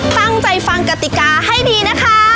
ตั้งใจฟังกติกาให้ดีนะคะ